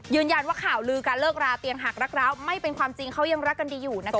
ข่าวลือการเลิกราเตียงหักรักร้าวไม่เป็นความจริงเขายังรักกันดีอยู่นะคะ